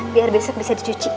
biar besok bisa dicuci